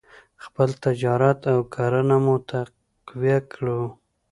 خپل تجارت او کرنه مو تقویه کړو.